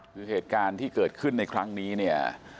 คือเหตุการณ์ที่เกิดขึ้นในครั้งนี้เนี่ย